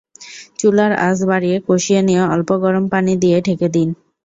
চুলার আঁচ বাড়িয়ে কষিয়ে নিয়ে অল্প গরম পানি দিয়ে ঢেকে দিন।